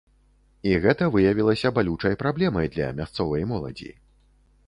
І гэта выявілася балючай праблемай для мясцовай моладзі.